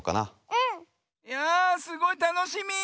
うん！やすごいたのしみ。